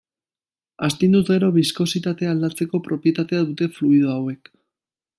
Astinduz gero biskositatea aldatzeko propietatea dute fluido hauek.